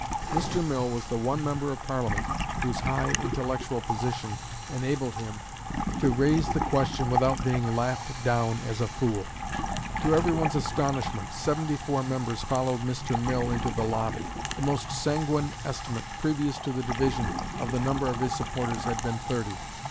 Mr. Mill was the one member of Parliament whose high intellectual position enabled him to raise the question without being laughed down as a fool. To every one's astonishment, seventy four members followed Mr. Mill into the lobby: the most sanguine estimate, previous to the division, of the number of his supporters had been thirty.